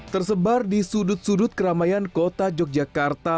tersebar di sudut sudut keramaian kota yogyakarta